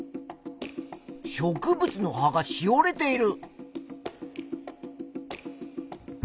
植物の葉がしおれている。